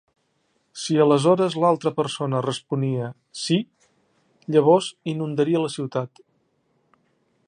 Si aleshores l'altra persona responia "sí", llavors inundaria la ciutat.